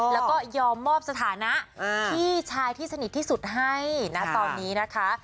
แล้วก็ยอมมอบสถานะพี่ชายที่สนิทที่สุดให้นะตอนนี้นะคะ